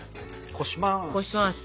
こします。